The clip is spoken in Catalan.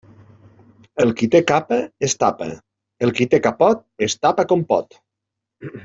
El qui té capa es tapa; el qui té capot es tapa com pot.